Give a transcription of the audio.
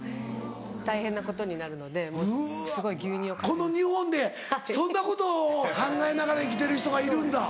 この日本でそんなことを考えながら生きてる人がいるんだ。